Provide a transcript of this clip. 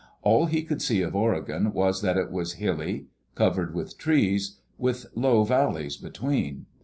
All he could see of Oregon was that it was hilly, covered with trees, with low valleys between.